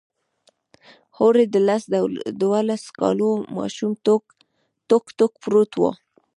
هورې د لس دولسو کالو ماشوم ټوک ټوک پروت و.